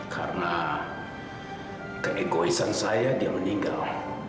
karena keegoisan saya dia meninggal